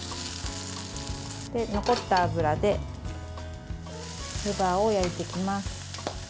残った油でレバーを焼いていきます。